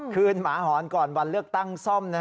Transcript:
หมาหอนก่อนวันเลือกตั้งซ่อม